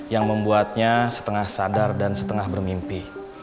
yang membuatnya setengah sadar dan setengah bermimpi